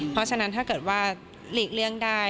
เพราะฉะนั้นถ้าเกิดว่าหลีกเลี่ยงได้